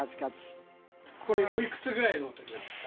これおいくつぐらいの時なんですか？